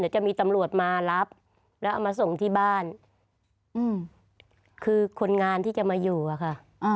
เดี๋ยวจะมีตำรวจมารับแล้วเอามาส่งที่บ้านคือคนงานที่จะมาอยู่อะค่ะ